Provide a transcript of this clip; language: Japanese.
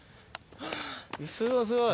すごいすごい。